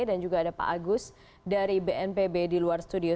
dan juga ada pak agus dari bnpb di luar studio